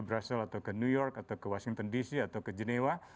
brazil atau ke new york atau ke washington dc atau ke genewa